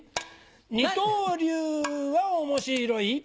二刀流は面白い。